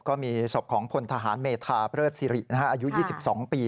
ก็มีศพของพลทหารเมธาเพลิศสิริอายุ๒๒ปี